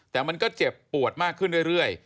แต่มันก็เจ็บปวดมากขึ้นเรื่อย